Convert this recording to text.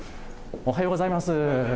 おはようございます。